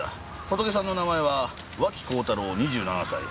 ホトケさんの名前は脇幸太郎２７歳。